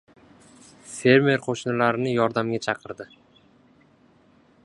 Fermer qoʻshnilarini yordamga chaqirdi.